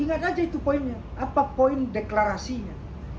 ingat aja itu poinnya apa poin deklarasinya